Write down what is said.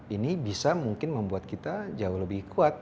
ini bisa mungkin membuat kita jauh lebih kuat